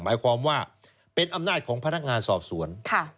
หมายความว่าเป็นอำนาจของพนักงานสอบสวน